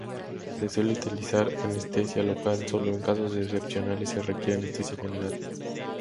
Se suele utilizar anestesia local; Solo en casos excepcionales se requiere anestesia general.